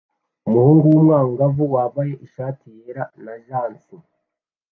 Umuhungu w'umwangavu wambaye t-shati yera na jans